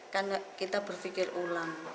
karena kita berpikir ulang